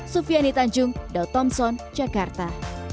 sufiani tanjung daud thompson jakarta